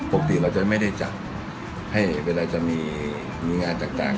ปกติเราจะไม่ได้จัดให้เวลาจะมีงานต่าง